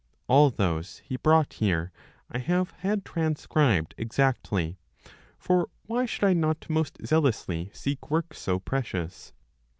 All those he brought here I have had transcribed exactly; for why should I not most zealously seek works so precious?